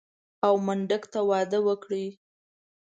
او منډک ته واده وکړي.